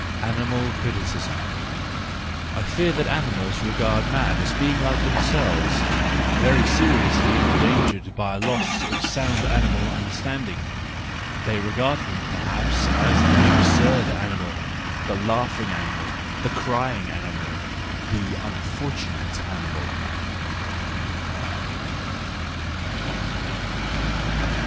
Animal Criticism .—I fear the animals regard man as a being like themselves, very seriously endangered by a loss of sound animal understand¬ ing ;— they regard him perhaps as the absurd animal, the laughing animal, the crying animal, the unfortunate animal.